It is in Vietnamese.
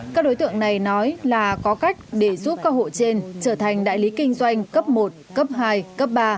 các đối tượng này nói là có cách để giúp các hộ trên trở thành đại lý kinh doanh cấp một cấp hai cấp ba